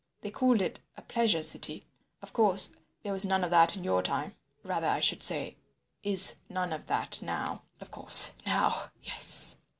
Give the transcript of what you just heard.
They called it a pleasure city. Of course, there was none of that in your time—rather, I should say, is none of that now. Of course. Now!—yes.